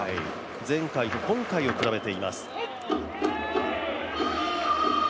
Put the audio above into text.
前回と今回を比べています。